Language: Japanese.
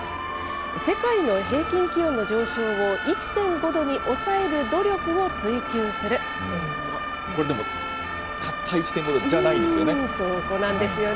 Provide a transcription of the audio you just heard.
世界の平均気温の上昇を１．５度に抑える努力を追求するというもこれでも、たった１．５℃じゃないんですよね。